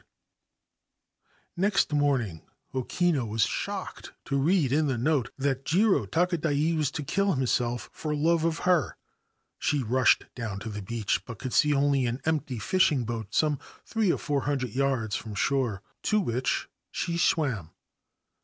141 Ancient Tales and Folklore of Japan Next morning O Kinu was shocked to read in the note that Jiro Takadai was to kill himself for love of her. She rushed down to the beach, but could see only an empty fishing boat some three or four hundred yards from shore, to which she swam.